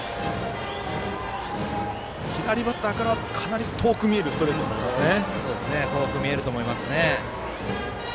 左バッターからかなり遠く見えるストレートなんですね。